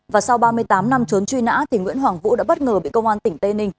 và sau ba mươi tám năm trốn truy nã nguyễn hoàng vũ đã bất ngờ bị công an tỉnh tây ninh